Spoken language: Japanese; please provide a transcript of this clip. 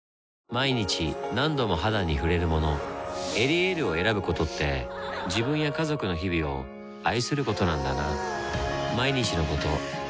毎日何度も肌に触れるもの「エリエール」を選ぶことって自分や家族の日々を愛することなんだなぁ